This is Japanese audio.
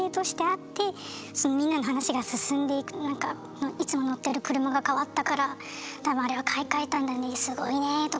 なんか「いつも乗ってる車が変わったから多分あれは買い替えたんだねすごいね」とか。